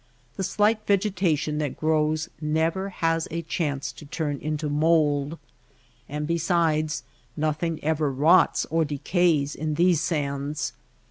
The slight vegetation that grows never has a chance to turn into mould. And besides, nothing ever rots or decays in these sands.